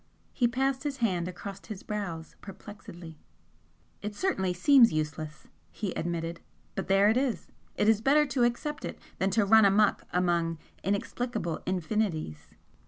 He passed his hand across his brows perplexedly. "It certainly seems useless," he admitted "but there it is. It is better to accept it than run amok among inexplicable infinities."